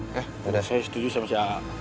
ya udah saya setuju sama si algis